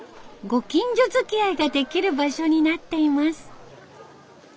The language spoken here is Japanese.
ご近所づきあいができる場所になっています。